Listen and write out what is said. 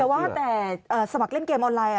แต่ว่าแต่สมัครเล่นเกมออนไลน์